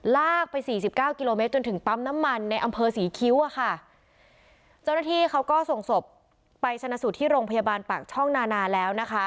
ลากไปสี่สิบเก้ากิโลเมตรจนถึงปั๊มน้ำมันในอำเภอศรีคิ้วอะค่ะเจ้าหน้าที่เขาก็ส่งศพไปชนะสูตรที่โรงพยาบาลปากช่องนานาแล้วนะคะ